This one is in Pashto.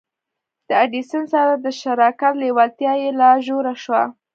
له ايډېسن سره د شراکت لېوالتیا يې لا ژوره شوه.